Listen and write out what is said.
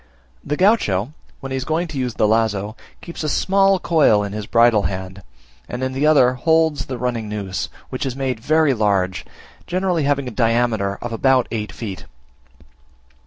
The Gaucho, when he is going to use the lazo, keeps a small coil in his bridle hand, and in the other holds the running noose which is made very large, generally having a diameter of about eight feet.